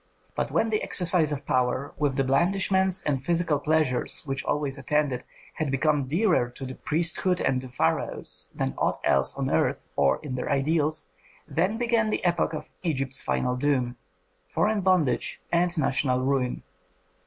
But when the exercise of power, with the blandishments and physical pleasures which always attend it, had become dearer to the priesthood and to pharaohs than aught else on earth or in their ideals, then began the epoch of Egypt's final doom: foreign bondage and national ruin.